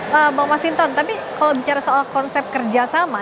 nah pak mas hinton tapi kalau bicara soal konsep kerjasama